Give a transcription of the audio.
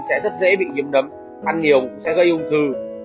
sẽ rất dễ bị nghiêm đấm ăn nhiều sẽ gây ung thư